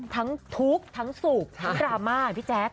ทั้งทุกข์ทั้งสุขทั้งดราม่าพี่แจ๊ค